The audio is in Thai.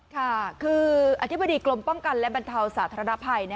ค่ะคืออธิบดีกรมป้องกันและบรรเทาสาธารณภัย